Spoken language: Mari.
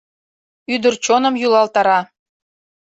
Ӱдыр чоным йӱлалтара.